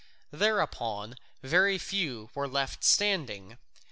Thereupon very few were left standing.